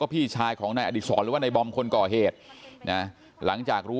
พี่ชายของนายอดีศรหรือว่านายบอมคนก่อเหตุนะหลังจากรู้